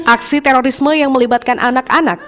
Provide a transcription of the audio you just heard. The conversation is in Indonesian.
aksi terorisme yang melibatkan anak anak